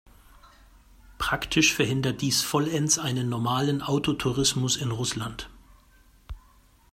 Praktisch verhindert dies vollends einen normalen Autotourismus in Russland.